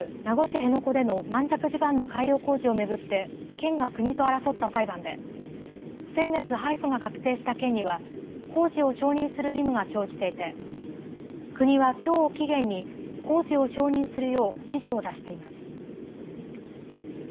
アメリカ軍普天間基地の移設先となっている名護市辺野古での軟弱地盤の改良工事を巡って県が国と争った裁判で先月敗訴が確定した県には工事を承認する義務が生じていて国はきょうを期限に工事を承認するよう指示を出しています。